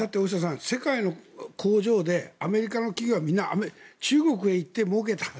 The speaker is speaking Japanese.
世界の工場でアメリカの企業は中国へ行ってもうけた。